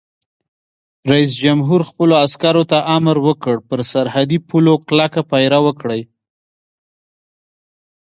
رئیس جمهور خپلو عسکرو ته امر وکړ؛ پر سرحدي پولو کلک پیره وکړئ!